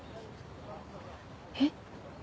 えっ？